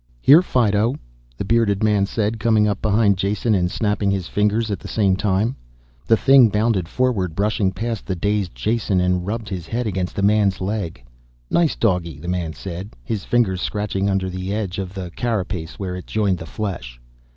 "Here, Fido," the bearded man said, coming up behind Jason and snapping his fingers at the same time. The thing bounded forward, brushing past the dazed Jason, and rubbed his head against the man's leg. "Nice doggy," the man said, his fingers scratching under the edge of the carapace where it joined the flesh.